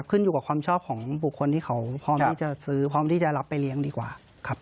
ขึ้นอยู่กับความชอบของบุคคลที่เขาพร้อมที่จะซื้อพร้อมที่จะรับไปเลี้ยงดีกว่าครับ